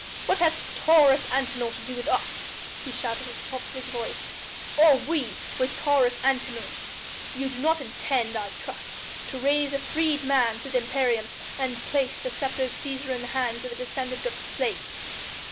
"What hath Taurus Antinor to do with us?" he shouted at the top of his voice, "or we with Taurus Antinor? Ye do not intend, I trust, to raise a freedman to the imperium and place the sceptre of Cæsar in the hands of a descendant of slaves!"